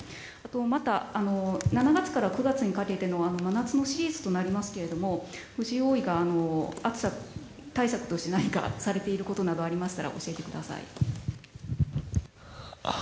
また、７月から９月にかけての真夏のシーズンとなりますが藤井王位が暑さ対策として何かされていることなどありましたら教えてください。